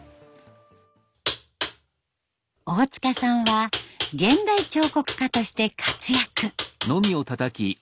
大塚さんは現代彫刻家として活躍。